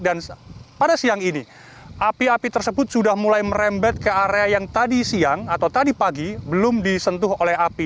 dan pada siang ini api api tersebut sudah mulai merembet ke area yang tadi siang atau tadi pagi belum disentuh oleh api